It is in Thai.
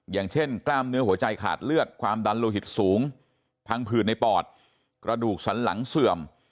อย่างเช่นกล้ามเนื้อหัวใจขาดเลือดความดันโลหิตสูงพังผืดในปอดกระดูกสันหลังเสื่อม